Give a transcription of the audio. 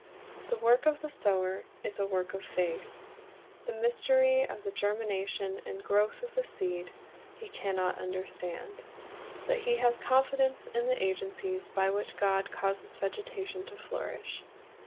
The work of the sower is a work of faith, of the germination and growth of the seed he can not understand. But he has confidence in the agencies by which God causes vegetation to flourish.